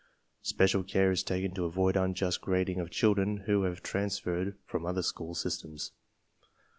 Spe cial care is taken to avoid unjust grading of children who have transferred from other school systems.